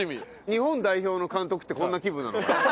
日本代表の監督ってこんな気分なのかな？